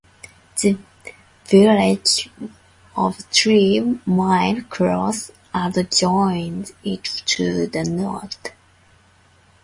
The village of Three Mile Cross adjoins it to the north.